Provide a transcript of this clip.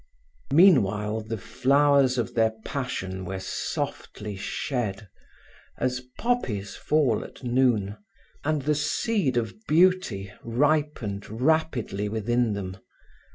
Meanwhile the flowers of their passion were softly shed, as poppies fall at noon, and the seed of beauty ripened rapidly within them.